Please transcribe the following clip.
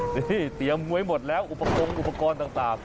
นี่เตรียมไว้หมดแล้วอุปกรณ์อุปกรณ์ต่าง